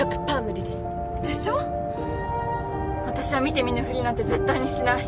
私は見て見ぬふりなんて絶対にしない。